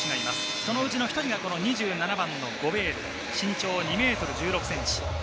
そのうちの１人が２７番のゴベール、身長２ｍ１６ｃｍ。